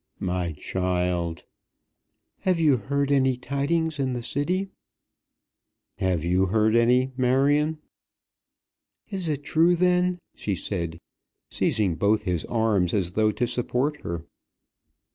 "My child!" "Have you heard any tidings in the City?" "Have you heard any, Marion?" "Is it true then?" she said, seizing both his arms as though to support her.